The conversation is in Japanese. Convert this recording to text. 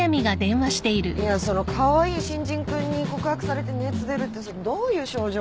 いやそのカワイイ新人君に告白されて熱出るってそれどういう症状？